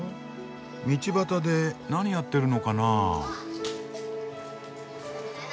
道端で何やってるのかな？